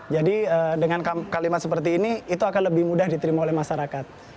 jadi dengan kalimat seperti ini itu akan lebih mudah diterima oleh masyarakat